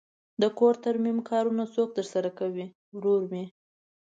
د کور ترمیم کارونه څوک ترسره کوی؟ ورور می